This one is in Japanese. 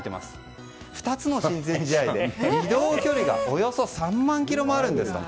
２つの親善試合で移動距離がおよそ３万ｋｍもあるんです。